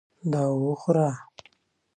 دا وخوره !